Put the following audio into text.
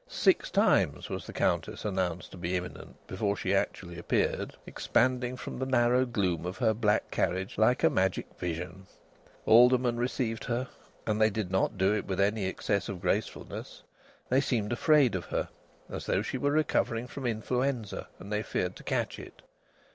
Six times was the Countess announced to be imminent before she actually appeared, expanding from the narrow gloom of her black carriage like a magic vision. Aldermen received her and they did not do it with any excess of gracefulness. They seemed afraid of her, as though she was recovering from influenza and they feared to catch it.